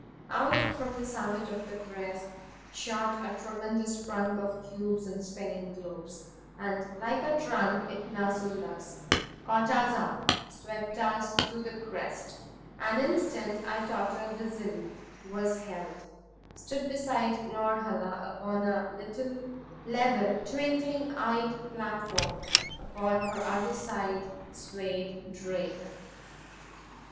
Out from the summit of the breast shot a tremendous trunk of cubes and spinning globes. And like a trunk it nuzzled us, caught us up, swept us to the crest. An instant I tottered dizzily; was held; stood beside Norhala upon a little, level twinkling eyed platform; upon her other side swayed Drake.